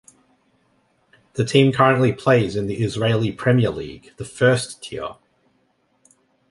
The team currently plays in the Israeli Premier League, the first tier.